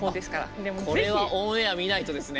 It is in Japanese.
これはオンエア見ないとですね。